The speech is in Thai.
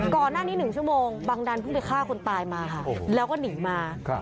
ก่อนหน้านี้๑ชั่วโมงบังดันเพิ่งไปฆ่าคนตายมาค่ะแล้วก็หนีมา